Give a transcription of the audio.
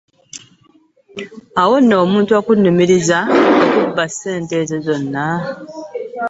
Awo nno omuntu okunnumiriza okubba ssente ezo zonna!